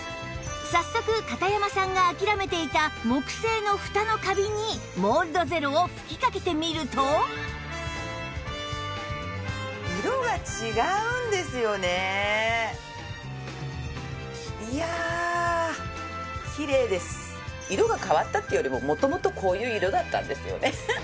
早速片山さんが諦めていた木製のふたのカビにモールドゼロを吹きかけてみると色が変わったっていうよりも元々こういう色だったんですよね。